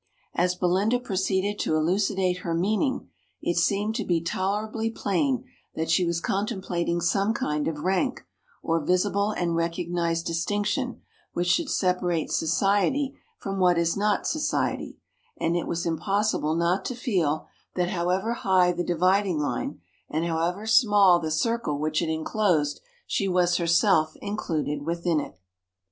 As Belinda proceeded to elucidate her meaning it seemed to be tolerably plain that she was contemplating some kind of rank, or visible and recognized distinction, which should separate "society" from what is not society, and it was impossible not to feel that, however high the dividing line, and however small the circle which it enclosed, she was herself included within it.